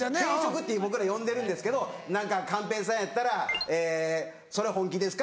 って僕ら呼んでるんですけど何か寛平さんやったら「それ本気ですか？」